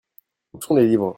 Où sont les livres ?